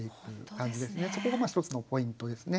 そこが１つのポイントですね。